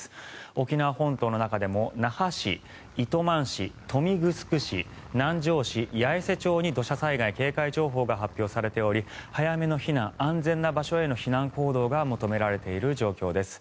沖縄本島の中でも那覇市、糸満市、豊見城市南城市、八重瀬町に土砂災害警戒情報が発表されており早めの避難安全な場所への避難行動が求められている状況です。